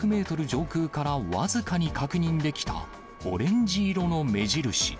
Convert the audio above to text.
上空から僅かに確認できたオレンジ色の目印。